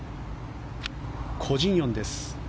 コ・ジンヨンです。